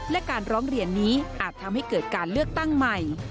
และการร้องเรียนนี้อาจทำให้เกิดการเลือกตั้งใหม่